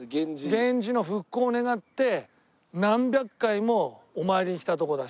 源氏の復興を願って何百回もお参りに来たとこだし。